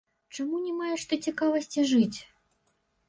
Чаму не маеш ты цікавасці жыць?